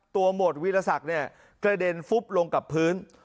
ตัวหมวดวิรสักเนี่ยกระเด็นฟุ๊บลงกับพื้น